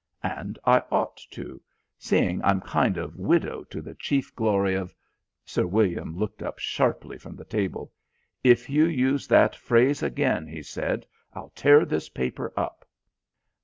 And I ought to, seeing I'm kind of widow to the chief glory of " Sir William looked up sharply from the table. "If you use that phrase again," he said, "I'll tear this paper up."